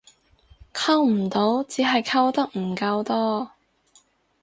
溝唔到只係溝得唔夠多